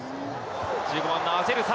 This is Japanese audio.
１５番のアゼルサ。